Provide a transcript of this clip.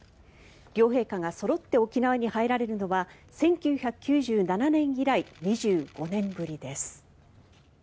両陛下がそろって沖縄に入られるのは１９９７年以来２５年ぶりです。